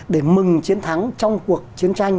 để mừng chiến thắng trong cuộc chiến tranh